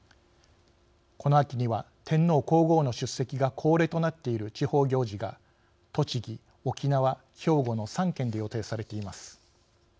この秋には、天皇皇后の出席が恒例となっている地方行事が栃木、沖縄、兵庫の３県で予定されています。